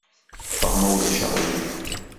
Ffeɣ, ma ulac aɣilif.